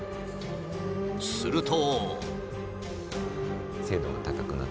すると。